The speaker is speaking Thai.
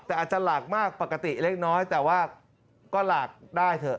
แต่อาจจะหลากมากปกติเล็กน้อยแต่ว่าก็หลากได้เถอะ